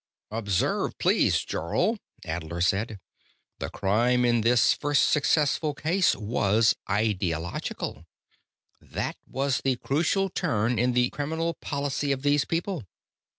"Observe please, Jarl," Adler said. "The crime in this first successful case was ideological. That was the crucial turn in the criminal policy of these people.